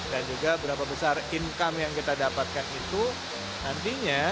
dan juga berapa besar income yang kita dapatkan itu nantinya